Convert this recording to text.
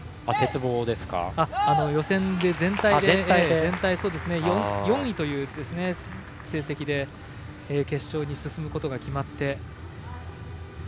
予選の全体で４位という成績で決勝に進むことが決まって。